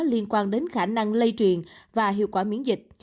liên quan đến khả năng lây truyền và hiệu quả miễn dịch